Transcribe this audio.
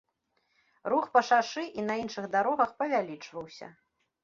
Рух па шашы і на іншых дарогах павялічваўся.